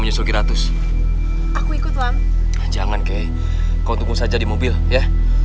menyusul ke ratus aku ikut jangan kek kau tunggu saja di mobil ya